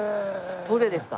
どれですか？